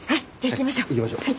行きましょう。